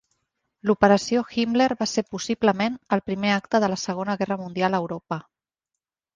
L'Operació Himmler va ser possiblement el primer acte de la Segona Guerra Mundial a Europa.